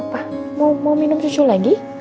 pak mau minum susu lagi